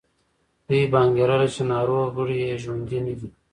دوی به انګېرله چې ناروغ غړي یې ژوندي نه دي.